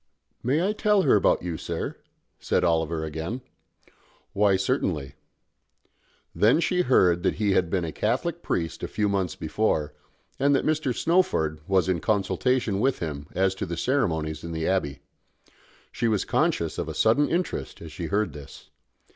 "I may tell her about you, sir?" said Oliver again. "Why, certainly." Then she heard that he had been a Catholic priest a few months before, and that Mr. Snowford was in consultation with him as to the ceremonies in the Abbey. She was conscious of a sudden interest as she heard this.